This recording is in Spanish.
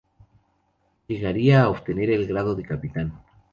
Llegaría a obtener el grado de capitán.